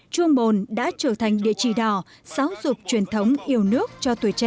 chuồng bồn đã trở thành địa chỉ đỏ giáo dục truyền thống yêu nước cho tuổi trẻ